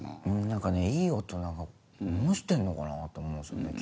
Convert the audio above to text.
何かねいい大人が何してんのかなと思うんすよね